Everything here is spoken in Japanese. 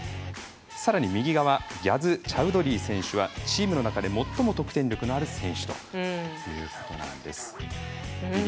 さらに右側ギャズ・チャウドリー選手はチームの中で最も得点力のある選手。